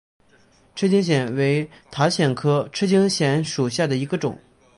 赤茎藓为塔藓科赤茎藓属下的一个种。